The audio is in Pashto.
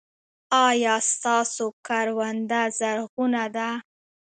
ایا ستاسو کرونده زرغونه ده؟